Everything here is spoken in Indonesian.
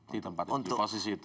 di tempat itu di posisi itu